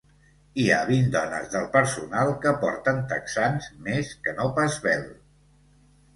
Hi ha vint dones del personal que porten texans més que no pas vel.